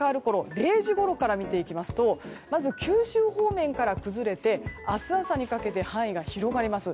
０時ごろから見ていきますとまず九州方面から崩れて明日朝にかけて範囲が広がります。